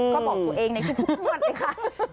ก็บอกตัวเองในคุณผู้ชมนั้นเลยค่ะ